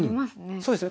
そうですね